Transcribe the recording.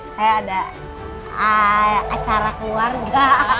saya ada acara keluarga